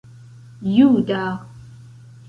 juda